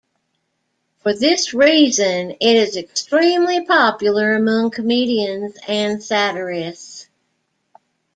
For this reason, it is extremely popular among comedians and satirists.